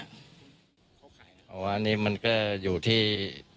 อันนี้มันก็อยู่ที่